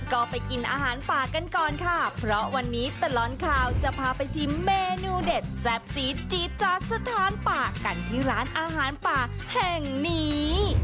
ก็ไปกินอาหารป่ากันก่อนค่ะเพราะวันนี้ตลอดข่าวจะพาไปชิมเมนูเด็ดแซ่บซีดจี๊ดจัดสถานป่ากันที่ร้านอาหารป่าแห่งนี้